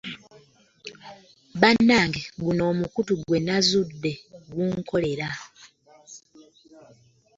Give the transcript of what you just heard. Bannaye guno omkutu gwenazudde gukolera .